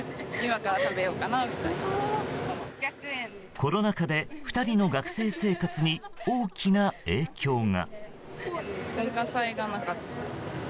コロナ禍で、２人の学生生活に大きな影響が。